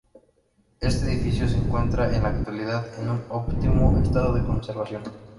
Este edificio se encuentra en la actualidad en un óptimo estado de conservación.